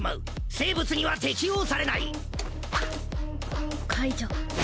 生物には適用されない！解除。